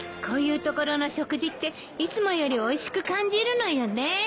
こういう所の食事っていつもよりおいしく感じるのよね。